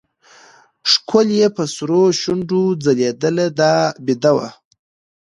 ښکل يې په سرو شونډو ځلېدله دا بېده وه.